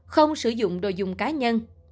không sử dụng đồ dùng cá nhân